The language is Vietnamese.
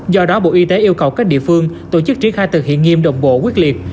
do đó bộ y tế yêu cầu các địa phương tổ chức triển khai thực hiện nghiêm đồng bộ quyết liệt